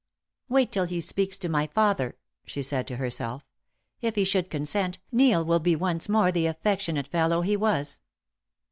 "Wait till he speaks to my father," she said to herself. "If he should consent, Neil will be once more the affectionate fellow he was."